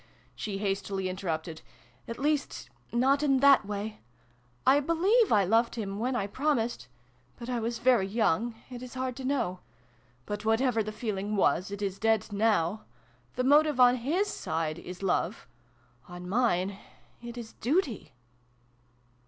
she hastily interrupted. "At least not in that way. I believe I loved him when I promised ; but I was very young : it is % hard to know. But, whatever the feeling was, it is dead now. The motive on his side is Love : on mine it is Duty